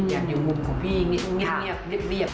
อยากอยู่มุมของพี่เงียบ